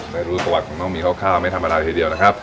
ได้รู้ประวัติของน้องมีคร่าวไม่ธรรมดาทีเดียวนะครับ